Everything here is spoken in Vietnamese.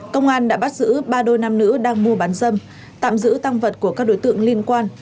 công an đã bắt giữ ba đôi nam nữ đang mua bán dâm tạm giữ tăng vật của các đối tượng liên quan